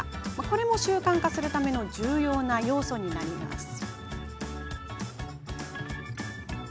これも習慣化するための重要な要素になります。